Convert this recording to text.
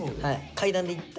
階段で行ったり。